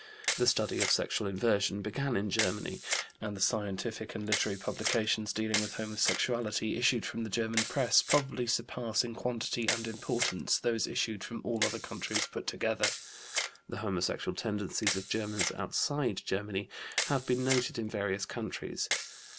The study of sexual inversion began in Germany, and the scientific and literary publications dealing with homosexuality issued from the German press probably surpass in quantity and importance those issued from all other countries put together. The homosexual tendencies of Germans outside Germany have been noted in various countries.